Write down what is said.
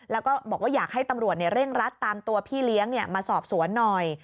แล้วก็บอกว่าอยากให้ตำรวจเร่งรัดตามตัวพี่เลี้ยงมาสอบสวนหน่อย